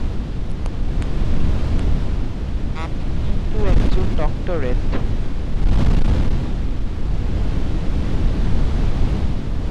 হেই, আমি কিন্ত একজন ডক্টরেট।